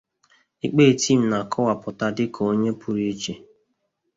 Ikpe-Etim na-akọwapụta dị ka onye pụrụ iche.